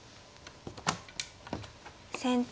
先手